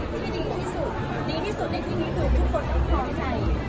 ที่ดีที่สุดดีที่สุดในที่นี้คือทุกคนต้องพร้อมใจ